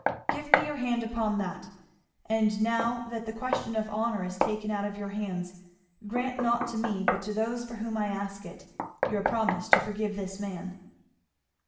"Give me your hand upon that. And now that the question of honour is taken out of your hands, grant not to me but to those for whom I ask it, your promise to forgive this man."